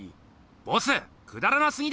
ボスくだらなすぎです！